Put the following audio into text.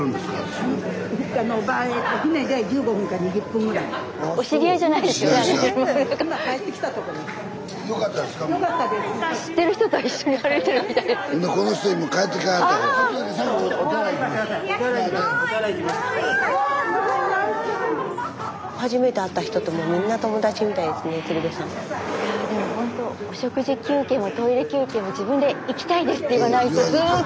スタジオいやでもほんとお食事休憩もトイレ休憩も自分で「行きたいです」って言わないとずっと続けるから。